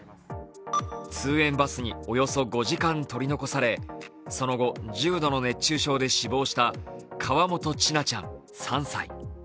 通園バスにおよそ５時間取り残されその後、重度の熱中症で死亡した河本千奈ちゃん３歳。